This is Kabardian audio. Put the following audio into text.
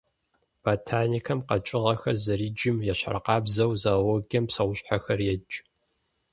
Ботаникэм къэкӏыгъэхэр зэриджым ещхьыркъабзэу, зоологием псэущхьэхэр едж.